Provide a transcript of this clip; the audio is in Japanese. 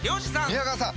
宮川さん